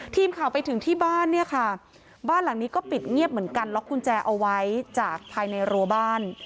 ทีมข่าวไปถึงที่บ้านเนี่ยค่ะบ้านหลังนี้ก็ปิดเงียบเหมือนกันล็อกกุญแจเอาไว้จากภายในรัวบ้าน